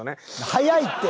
早いって！